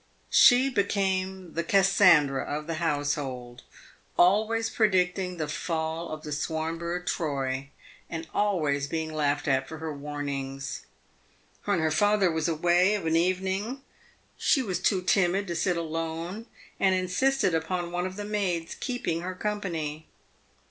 She became the Cassandra of the household, always predicting the fall of the Swanborough Troy, and always being laughed at for her warnings. When her father was away of an evening, she was too timid to sit alone, and insisted upon one of the maids keeping her company.